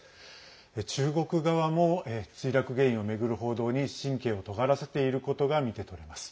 中国側も墜落原因を巡る報道に神経をとがらせていることが見て取れます。